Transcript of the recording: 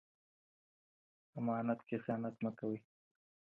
امانت ته خيانت مه کوئ.